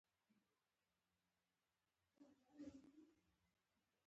له پوهېدونکي پوښتنه کول تعلقات پیاوړي کوي.